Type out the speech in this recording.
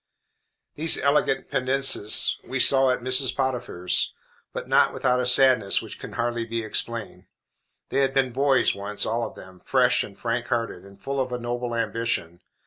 These elegant Pendennises we saw at Mrs. Potiphar's, but not without a sadness which can hardly be explained. They had been boys once, all of them, fresh and frank hearted, and full of a noble ambition.